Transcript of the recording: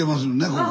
ここ。